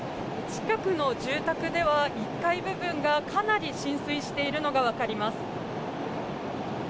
近くの住宅では１階部分がかなり浸水しているのが分かります。